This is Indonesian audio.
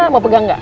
mau pegang nggak